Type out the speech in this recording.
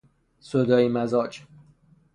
سودایی مزاج